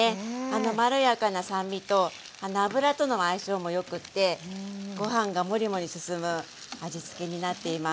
まろやかな酸味と油との相性もよくってご飯がモリモリすすむ味付けになっています。